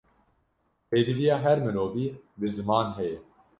Pêdiviya her mirovî, bi ziman heye